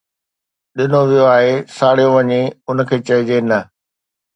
ڏنو ويو آهي، ساڙيو وڃي، ان کي چئجي ”نه“.